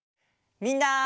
みんな！